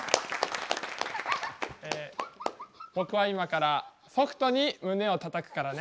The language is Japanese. え僕は今からソフトに胸をたたくからね。